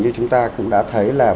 như chúng ta cũng đã thấy là